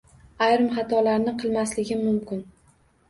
Ayrim xatolarni qilmasligim mumkin.